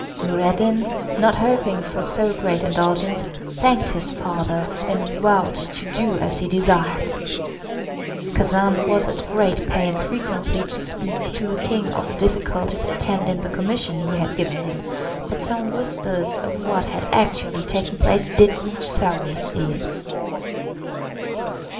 Noureddin, not hoping for so great indulgence, thanked his father, and vowed to do as he desired. Khacan was at great pains frequently to speak to the king of the difficulties attending the commission he had given him, but some whispers of what had actually taken place did reach Saouy's ears.